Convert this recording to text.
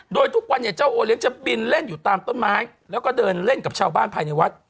โดยทุกวันเนี่ยเจ้าโอเลี้ยจะบินเล่นอยู่ตามต้นไม้แล้วก็เดินเล่นกับชาวบ้านภายในวัด